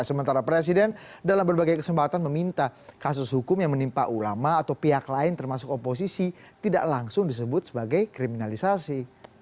sementara presiden dalam berbagai kesempatan meminta kasus hukum yang menimpa ulama atau pihak lain termasuk oposisi tidak langsung disebut sebagai kriminalisasi